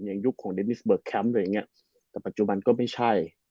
อย่างยุคของเดมิสเบิร์กแคมป์แต่ปัจจุบันก็ไม่ใช่